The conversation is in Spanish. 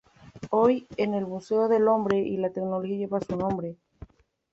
Hoy, el Museo del Hombre y la Tecnología lleva su nombre.